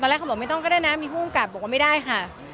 แรกเขาบอกไม่ต้องก็ได้นะมีผู้กำกับบอกว่าไม่ได้ค่ะ